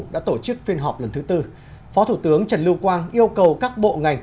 đã tổ chức phiên họp lần thứ tư phó thủ tướng trần lưu quang yêu cầu các bộ ngành